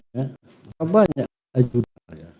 berapa banyak ajudan